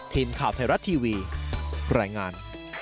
ทีนข่าวไทยรัตน์ทีวีแรงงาน